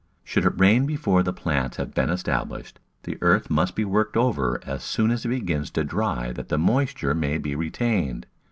Should it rain before the plants have become established the earth must be worked over as soon as it begins to dry that the moisture may be retained.